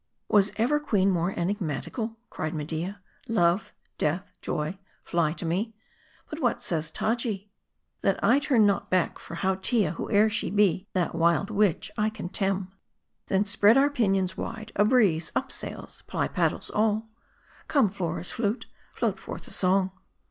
" Was ever queen more enigmatical ?" cried Media "Love, death, joy, fly, to me? But what saysTaji?" " That I turn not back for Hautia ; whoe'er she be, that wild witch I contemn." " Then spread our pinions wide ! a breeze ! up sails ! ply paddles all ! Come* Flora's flute, float forth a song."